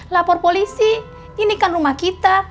lapor polisi ini kan rumah kita